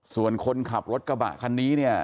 ส่วนคนขับรถกระบะคันนี้เนี่ย